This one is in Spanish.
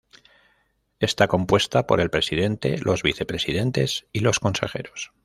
Está compuesta por el presidente, los vicepresidentes y los consejeros.